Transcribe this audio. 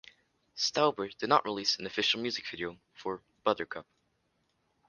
Stauber did not release an official music video for "Buttercup".